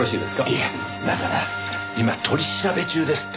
いやだから今取り調べ中ですって。